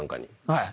はい。